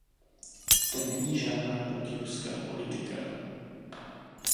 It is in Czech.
To není žádná protiruská politika.